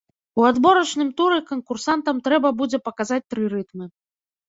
У адборачным туры канкурсантам трэба будзе паказаць тры рытмы.